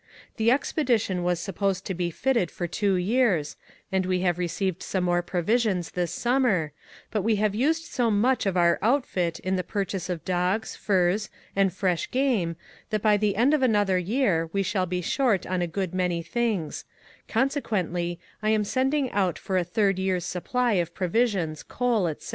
The expedition was supposed to be fitted for two years, and we have received some more provisions this summer, but we have used so much of our outfit in the purchase of dogs, furs, and fresh game that by the end of another year we shall be short on a good many things ; consequently I am sending out for a third year's supply of provisions, coal, etc.